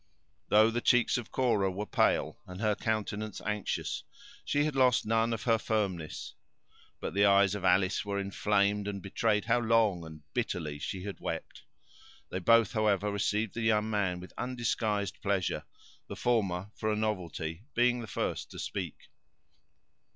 Though the cheeks of Cora were pale and her countenance anxious, she had lost none of her firmness; but the eyes of Alice were inflamed, and betrayed how long and bitterly she had wept. They both, however, received the young man with undisguised pleasure; the former, for a novelty, being the first to speak.